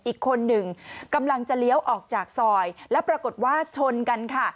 อีกคนหนึ่งกำลังจะเลี้ยวออกจากซอยแล้วปรากฏว่าชนกันค่ะ